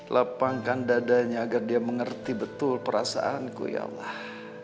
lapangkan dadanya agar dia mengerti betul perasaanku ya allah